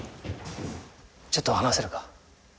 ちょっと話せるか？